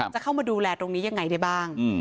จะเข้ามาดูแลตรงนี้ยังไงได้บ้าง